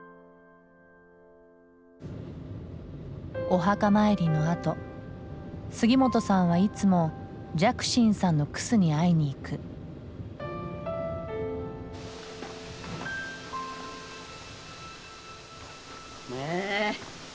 お墓参りのあと杉本さんはいつも寂心さんのクスに会いに行く。ねすごい！